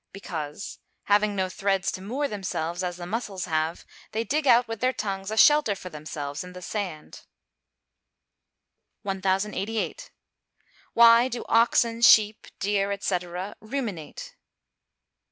_ Because, having no threads to moor themselves, as the mussels have, they dig out with their tongues a shelter for themselves in the sand. 1088. _Why do oxen, sheep, deer, &c., ruminate?